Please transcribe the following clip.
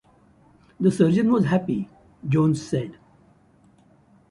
"The surgeon was happy," Jones said.